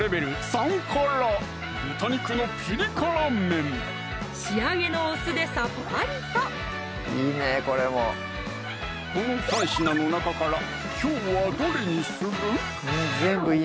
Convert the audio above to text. ３辛仕上げのお酢でさっぱりとこの３品の中からきょうはどれにする？